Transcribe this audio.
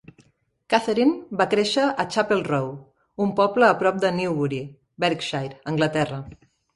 Catherine va créixer a Chapel Row, un poble a prop de Newbury, Berkshire, Anglaterra.